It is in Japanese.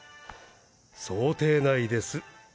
想定内です。